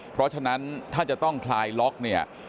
เพราะฉะนั้นถ้าจะต้องคลายล็อกเนี่ย